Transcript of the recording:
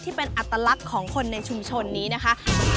เป็นอัตลักษณ์ของคนในชุมชนนี้นะคะ